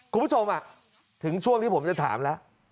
คุณผู้ชมถึงช่วงที่ผมจะถามแล้ว